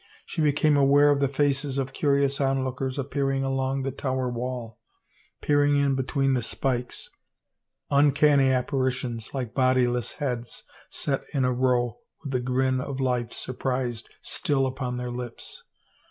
She became aware of the faces of curious on lookers appearing along the Tower wall, peering in be 370 THE NUMBERED HOURS tween the spikes, uncanny apparitions like bodyless heads set in a row with the grin of life surprised still upon their lips.